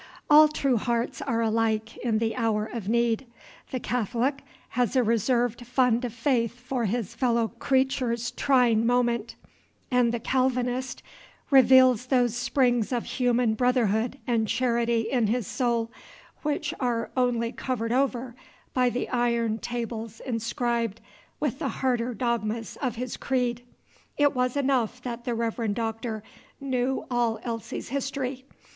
All true hearts are alike in the hour of need; the Catholic has a reserved fund of faith for his fellow creature's trying moment, and the Calvinist reveals those springs of human brotherhood and charity in his soul which are only covered over by the iron tables inscribed with the harder dogmas of his creed. It was enough that the Reverend Doctor knew all Elsie's history.